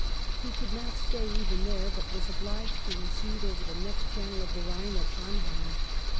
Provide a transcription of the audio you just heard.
He could not stay even there, but was obliged to recede over the next channel of the Ehine at Amheim.